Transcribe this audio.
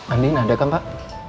andin ada kan pak